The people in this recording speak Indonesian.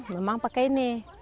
yang pakai ini